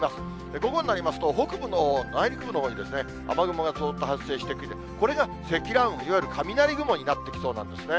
午後になりますと、北部の内陸部のほうに雨雲がずっと発生してくる、これが積乱雲、いわゆる雷雲になってきそうなんですね。